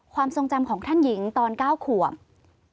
ความทรงจำของท่านหญิงตอน๙ขวบ